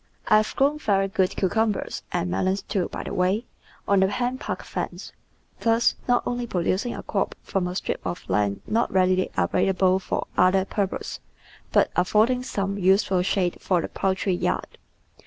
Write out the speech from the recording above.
I have grown very good cucumbers — and melons, too, by the way — on the hen park fence, thus not only pro ducing a crop from a strip of land not readily available for other purposes but affording some useful shade for the jDoultry yard.